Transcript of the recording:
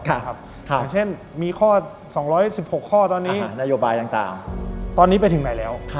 อย่างเช่นมีข้อ๒๑๖ข้อตอนนี้นโยบายต่างตอนนี้ไปถึงไหนแล้ว